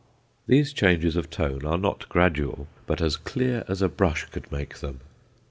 These changes of tone are not gradual, but as clear as a brush could make them.